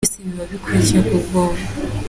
Byose biba bikureba kandi ntugomba kubyihunza.